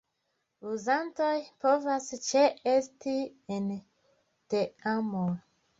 Uzantoj povas ĉeesti en teamoj.